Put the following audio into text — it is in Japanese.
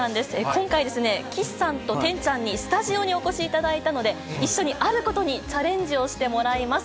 今回ですね、岸さんとてんちゃんにスタジオにお越しいただいたので、一緒にあることにチャレンジをしてもらいます。